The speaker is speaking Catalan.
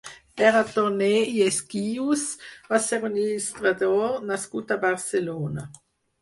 Pere Torné i Esquius va ser un il·lustrador nascut a Barcelona.